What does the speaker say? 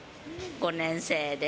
５年生です。